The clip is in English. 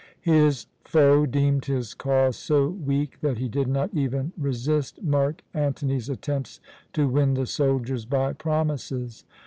His foe deemed his cause so weak that he did not even resist Mark Antony's attempts to win the soldiers by promises.